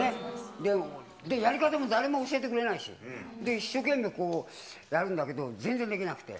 やり方も誰も教えてくれないし、一生懸命やるんだけど、全然できなくて。